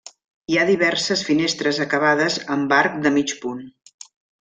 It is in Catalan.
Hi ha diverses finestres acabades amb arc de mig punt.